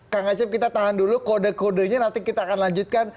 kang acep kita tahan dulu kode kodenya nanti kita akan lanjutkan